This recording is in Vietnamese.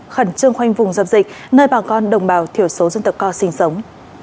khẩn trương khoanh vùng dập dịch nơi bà con đồng bào thiểu số dân tộc co sinh sống